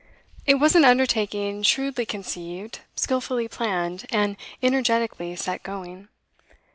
It was an undertaking shrewdly conceived, skilfully planned, and energetically set going.